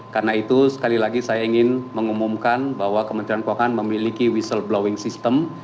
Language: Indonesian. karena itu sekali lagi saya ingin mengumumkan bahwa kementerian keuangan memiliki whistleblowing system